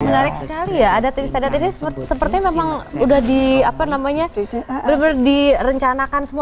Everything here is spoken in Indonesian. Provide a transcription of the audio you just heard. menarik sekali ya adat ini sepertinya memang sudah direncanakan semua